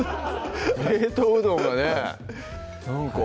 冷凍うどんがねなんか